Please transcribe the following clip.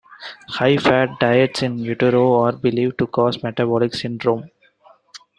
High fat diets in utero are believed to cause metabolic syndrome.